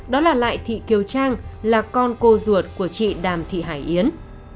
đó là lại thị kiều trang là con cô ruột của chị đàm thị hải yến